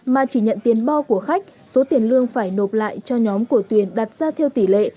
mà chỉ nhận tiền bo của khách số tiền lương phải nộp lại cho nhóm của tuyền đặt ra theo tỷ lệ